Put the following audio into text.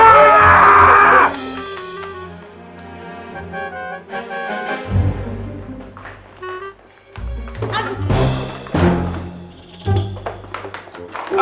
ini lagi tuak tuak